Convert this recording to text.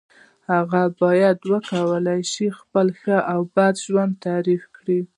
هغه باید وکولای شي خپله ښه او بد ژوند تعریف کړی.